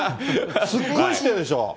すっごいしてるでしょ？